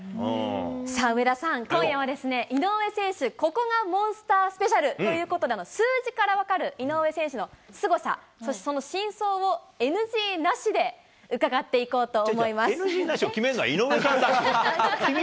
さあ、上田さん、今夜は井上選手、ここがモンスタースペシャルということで、数字から分かる、井上選手のすごさ、そしてその真相をＮＧなしで、伺っていこうとＮＧなしを決めるのは井上さんだから。